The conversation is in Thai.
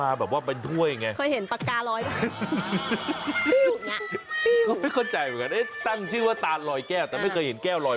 อันนี้ฉันชอบตานสดแบบนี้เลย